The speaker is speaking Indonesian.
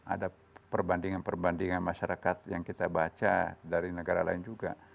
ada perbandingan perbandingan masyarakat yang kita baca dari negara lain juga